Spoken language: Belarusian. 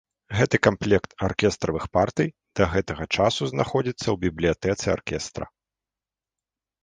Гэты камплект аркестравых партый да гэтага часу знаходзіцца ў бібліятэцы аркестра.